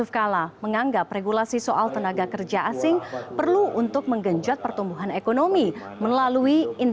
kementerian tenaga kerja asing mencapai satu ratus dua puluh enam orang